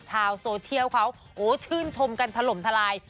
ชาวโซเชียลเขาชื่นชมกันถล่มทลาย